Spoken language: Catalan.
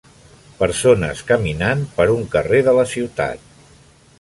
Persones caminant per un carrer de la ciutat.